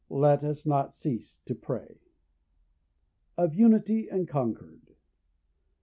Let us not cease to pray. Of Unity and Concord.